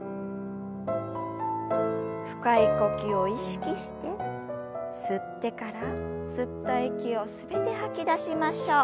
深い呼吸を意識して吸ってから吸った息を全て吐き出しましょう。